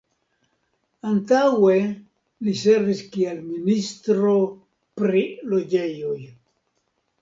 Antaŭe li servis kiel Ministro pri Loĝejoj.